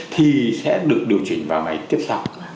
thì sẽ được điều chỉnh vào ngày tiếp sau